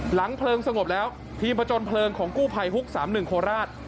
เพลิงสงบแล้วทีมผจญเพลิงของกู้ภัยฮุก๓๑โคราช